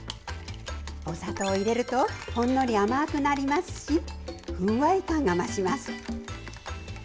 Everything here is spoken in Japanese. お砂糖を入れるとほんのり甘くなりますしふんわり感が増します。